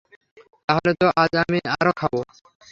তাহলে তো আজ আমি আরও খাবো?